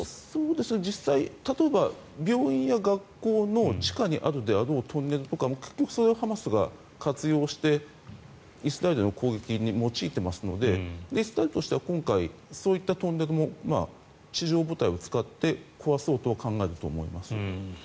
実際、例えば病院や学校の地下にあるであろうトンネルとかも結局それはハマスが活用してイスラエルへの攻撃に用いていますのでイスラエルとしては今回そういったトンネルも地上部隊を使って壊そうとは考えると思います。